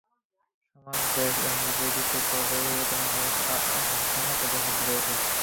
সমাজ, দেশ এমনকি বৈশ্বিক পর্যায়ে পরিবর্তন আনার আকাঙ্ক্ষা তাঁদের মধ্যে রয়েছে।